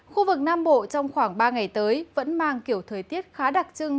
khu vực nam bộ trong khoảng ba ngày tới vẫn mang kiểu thời tiết khá đặc trưng